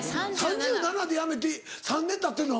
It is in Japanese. ３７で辞めて３年たってんの？